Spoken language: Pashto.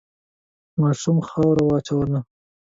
ماشوم خاوره وواچوله.